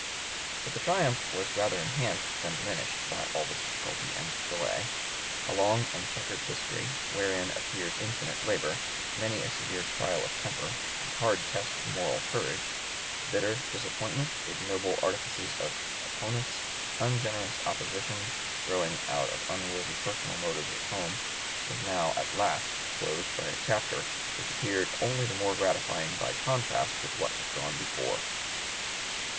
But the triumph was rather enhanced than diminished by all this difficulty and delay. A long and checkered history, wherein appeared infinite labor, many a severe trial of temper and hard test of moral courage, bitter disappointment, ignoble artifices of opponents, ungenerous (p. 125) opposition growing out of unworthy personal motives at home, was now at last closed by a chapter which appeared only the more gratifying by contrast with what had gone before.